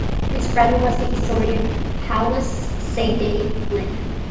His brother was the historian Paulus Seidelin.